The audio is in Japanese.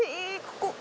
ここ！